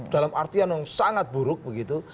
dalam artian yang sangat buruk begitu